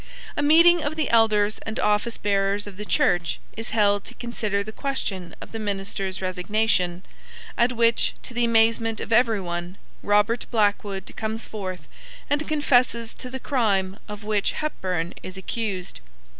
A meeting of the elders and office bearers of the church is held to consider the question of the minister's resignation, at which, to the amazement of every one, Robert Blackwood comes forth and confesses to the crime of which Hepburn is accused.